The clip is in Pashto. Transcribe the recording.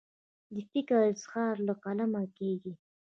د فکر اظهار له قلمه کیږي.